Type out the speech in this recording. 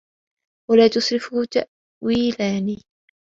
وَلَا تُسْرِفُوا تَأْوِيلَانِ